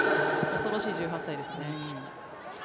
恐ろしい１８歳ですね。